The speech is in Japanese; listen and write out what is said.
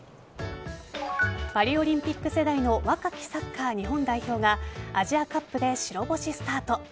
パリオリンピック世代の若きサッカー日本代表がアジアカップで白星スタート。